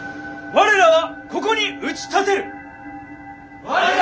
我らはここに打ち立てる！